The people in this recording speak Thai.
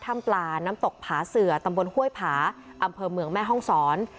ถ้ำปลาน้ำตกผาเสือตำบลห้วยผาอำเภอเมืองแม่ห้องศร